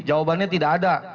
jawabannya tidak ada